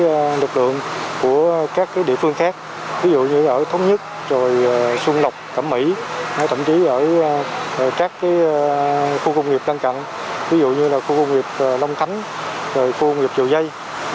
các lực lượng của các địa phương khác ví dụ như ở thống nhất xuân lộc cẩm mỹ tậm chí ở các khu công nghiệp gần cạnh ví dụ như là khu công nghiệp long khánh khu công nghiệp triều dây